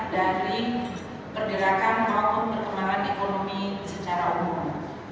dari pergerakan maupun perkembangan ekonomi secara umum